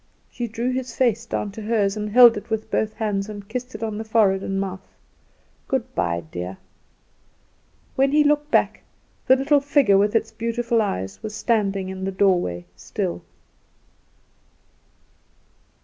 She drew his face down to hers, and held it with both hands, and kissed it on the forehead and mouth. "Good bye, dear!" When he looked back the little figure with its beautiful eyes was standing in the doorway still.